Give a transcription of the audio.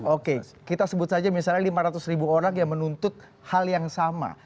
oke kita sebut saja misalnya lima ratus ribu orang yang menuntut hal yang sama